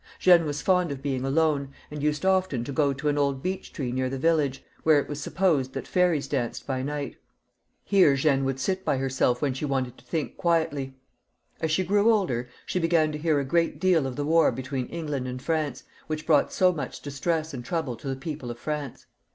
Jeanne was fond of being alone, and used often to go to an old beech tree near the village, where it was supposed that fairies danced by night Here Jeanne would sit by herself when she wanted to think quietly. As she grew older, she began to hear a great deal of the war between England and France, which brought so much distress and trouble to the people of France.